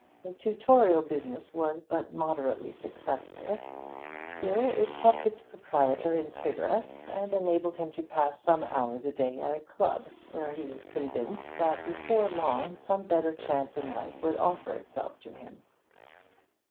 The tutorial business was but moderately successful; still, it kept its proprietor in cigarettes, and enabled him to pass some hours a day at a club, where he was convinced that before long some better chance in life would offer itself to him.